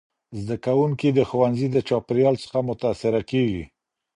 زدهکوونکي د ښوونځي د چاپېریال څخه متاثره کيږي.